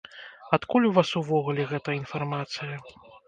Адкуль у вас увогуле гэта інфармацыя?